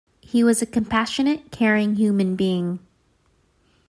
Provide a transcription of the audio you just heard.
He was a compassionate, caring human being.